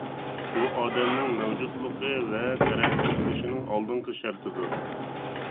بۇ ئادەمنىڭ مەۋجۇتلۇقى ۋە تەرەققىي قىلىشىنىڭ ئالدىنقى شەرتىدۇر.